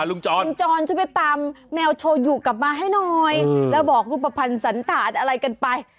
ลุงจรลุงจรช่วยไปตามแมวโชยูกลับมาให้หน่อยแล้วบอกรูปภัณฑ์สันธารอะไรกันไป